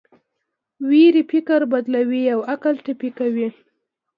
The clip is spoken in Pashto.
ویرې فکر بدلوي او عقل ټپي کوي.